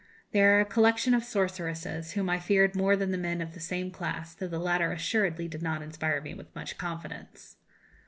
They are a collection of sorceresses, whom I feared more than the men of the same class, though the latter assuredly did not inspire me with much confidence.